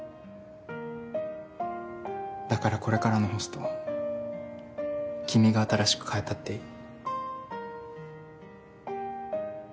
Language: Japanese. だからこれからのホストを君が新しく変えたっていい。